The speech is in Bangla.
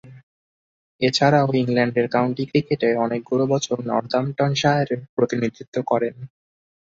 এছাড়াও ইংল্যান্ডের কাউন্টি ক্রিকেটে অনেকগুলো বছর নর্দাম্পটনশায়ারের প্রতিনিধিত্ব করেন।